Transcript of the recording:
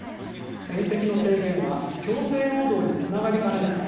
転籍の制限は強制労働につながりかねない。